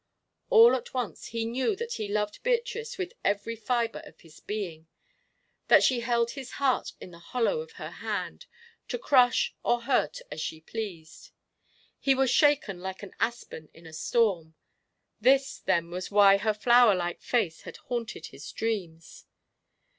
All at once he knew that he loved Beatrice with every fibre of his being that she held his heart in the hollow of her hand, to crush or hurt as she pleased. He was shaken like an aspen in a storm this, then, was why her flower like face had haunted his dreams.